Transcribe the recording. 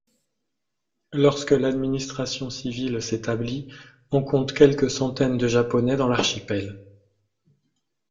Lorsque l’administration civile s’établit, on compte quelques centaines de Japonais dans l’archipel.